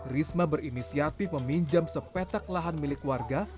risma berinisiatif meminjam sepetak lahan milik warga